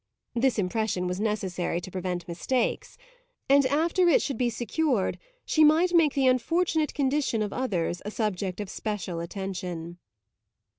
This impression was necessary to prevent mistakes, and after it should be secured she might make the unfortunate condition of others a subject of special attention.